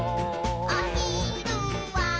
「おひるは」